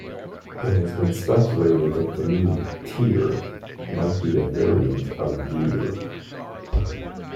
It has been speculated that the name "Tear" might be a variant of "Deer.